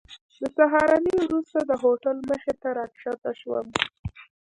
د سهارنۍ وروسته د هوټل مخې ته راښکته شوم.